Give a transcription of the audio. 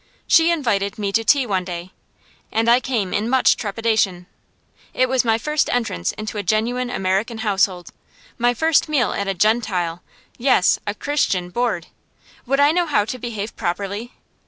She invited me to tea one day, and I came in much trepidation. It was my first entrance into a genuine American household; my first meal at a Gentile yes, a Christian board. Would I know how to behave properly?